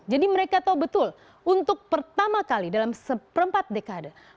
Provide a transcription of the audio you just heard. mereka tahu betul untuk pertama kali dalam seperempat dekade